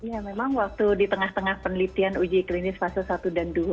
ya memang waktu di tengah tengah penelitian uji klinis fase satu dan dua